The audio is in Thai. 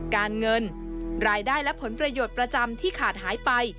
การเงินรายได้และผลประโยชน์ประจำที่ขาดหายไป